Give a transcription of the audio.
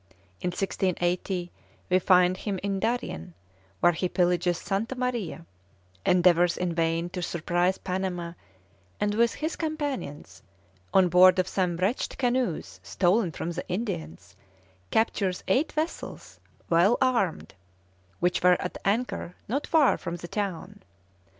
In 1680 we find him in Darien, where he pillages Santa Maria, endeavours in vain to surprise Panama, and with his companions, on board of some wretched canoes stolen from the Indians, captures eight vessels well armed, which were at anchor not far from the town.